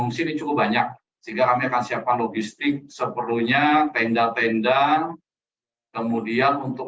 fungsi ini cukup banyak sehingga kami akan siapkan logistik seperlunya tenda tenda kemudian untuk